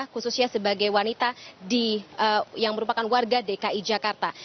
khususnya sebagai wanita yang merupakan warga dki jakarta